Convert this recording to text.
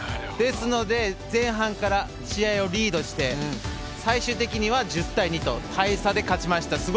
ですので、前半から試合をリードして最終的には１０−２と大差で勝ちました。